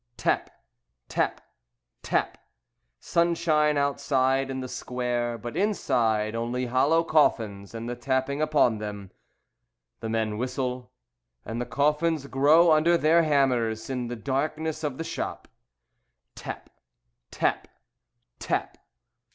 Tap! Tap! Tap! Sunshine outside in the square, But inside, only hollow coffins and the tapping upon them. The men whistle, And the coffins grow under their hammers In the darkness of the shop. Tap! Tap! Tap!